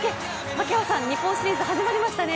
槙原さん、日本シリーズ始まりましたね。